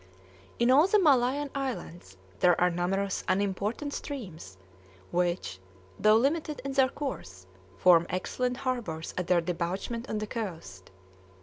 In all the Malayan Islands there are numerous unimportant streams, which, though limited in their course, form excellent harbors at their debouchement on the coast.